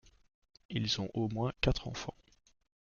Ils ont au moins quatre enfants.